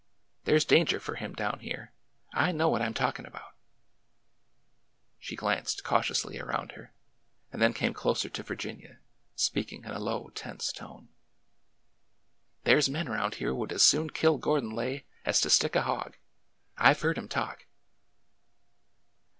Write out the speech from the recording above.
There 's danger for him down here ! I know what I 'm talkin' about 1 " She glanced cautiously around her, and then came closer to Virginia, speaking in a low, tense tone. ''There 's men around here would as soon kill Gordon Lay as to stick a hawg. I 've heard 'em talk